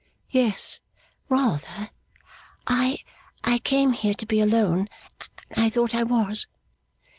'Yes, rather. I I came here to be alone, and I thought I was.